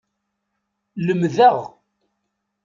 Lemdeɣ.